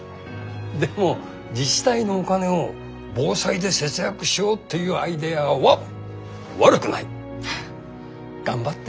でも自治体のお金を防災で節約しようっていうアイデアは悪くない！頑張って。